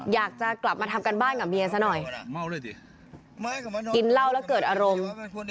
อยากจะกลับมาทำการบ้านกับเมียซะหน่อยกินเหล้าแล้วเกิดอารมณ์